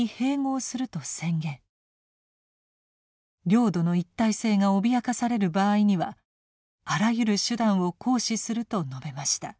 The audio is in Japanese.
領土の一体性が脅かされる場合にはあらゆる手段を行使すると述べました。